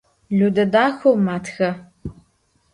Lüde daxeu matxe.